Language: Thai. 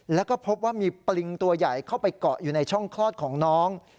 แล้วก็พบว่ามีปริงตัวใหญ่เข้าไปเกาะอยู่ในช่องคลอดของน้อง